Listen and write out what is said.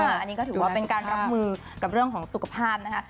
อันนี้ก็ถือว่าเป็นการรับมือกับเรื่องของสุขภาพนะคะ